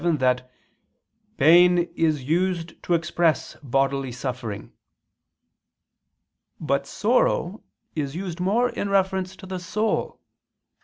Dei xiv, 7) that "pain is used to express bodily suffering." But sorrow is used more in reference to the soul.